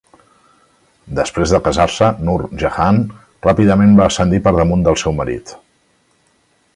Després de casar-se, Nur Jahan ràpidament va ascendir per damunt del seu marit.